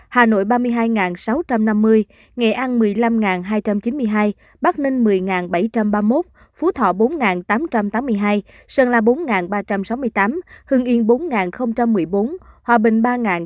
hà nội ba mươi hai sáu trăm năm mươi nghệ an một mươi năm hai trăm chín mươi hai bắc ninh một mươi bảy trăm ba mươi một phú thọ bốn tám trăm tám mươi hai sơn la bốn ba trăm sáu mươi tám hương yên bốn một mươi bốn hòa bình ba tám trăm bảy mươi tám